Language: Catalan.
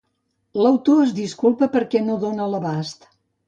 L'autor es disculpa perquè no dóna l'abast